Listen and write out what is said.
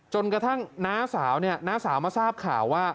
กระทั่งน้าสาวเนี่ยน้าสาวมาทราบข่าวว่า